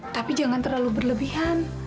tapi jangan terlalu berlebihan